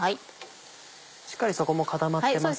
しっかり底も固まってますね。